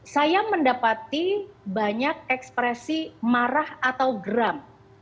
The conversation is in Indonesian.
saya mendapati banyak ekspresi marah atau geram